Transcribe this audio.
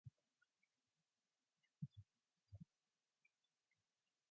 The Price Is Right Live!